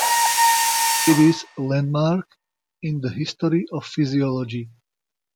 It is a landmark in the history of physiology.